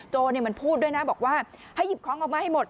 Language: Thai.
มันพูดด้วยนะบอกว่าให้หยิบของออกมาให้หมด